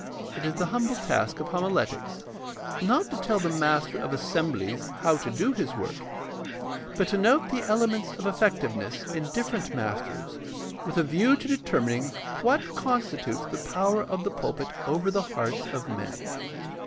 It is the humble task of homiletics, not to tell the master of assem blies how to do his work, but to note the elements of effective ness in different masters with a view to determining what constitutes the power of the pulpit over the hearts of men.